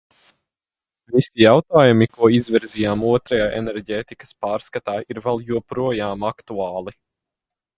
Visi jautājumi, ko izvirzījām Otrajā enerģētikas pārskatā, ir vēl joprojām aktuāli.